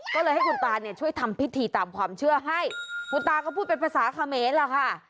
ก็เลยให้คุณตาเนี่ยช่วยทำพิธีตามความเชื่อให้คุณตาก็พูดเป็นภาษาเขมรล่ะค่ะ